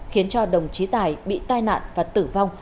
khiến cho đồng chí tài bị tai nạn và tử vong